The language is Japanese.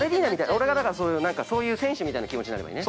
俺がだから、そういう選手みたいな気持ちになるよね。